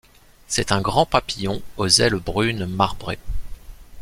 C'est un grand papillon aux ailes brunes marbrées.